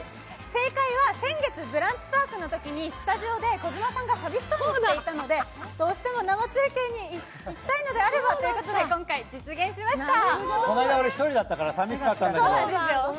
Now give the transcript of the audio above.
正解は先月ブランチパークのときに、児嶋さんがスタジオで寂しそうにしていたのでどうしても生中継に行きたいのであればということで今回実現しました。